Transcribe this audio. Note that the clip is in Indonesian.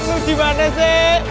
kamu dimana sih